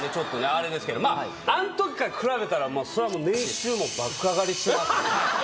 あれですけどまああの時から比べたらそら年収も爆上がりしてますははは